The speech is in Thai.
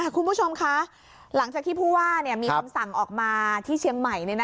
คุณผู้ชมคะหลังจากที่ผู้ว่ามีคำสั่งออกมาที่เชียงใหม่